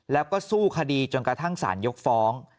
แล้วก็สู้คดีจนกระทั่งสารยกฟ้อง